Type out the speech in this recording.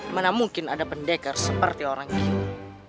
mana mungkin ada pendekar seperti orang hidup